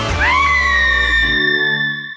น้ำจิ้มยังขนาดนี้จะขนาดไหน